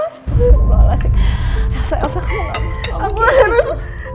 astaga elsa kamu enggak mau mikirin